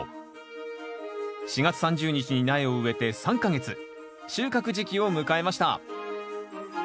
４月３０日に苗を植えて３か月収穫時期を迎えました。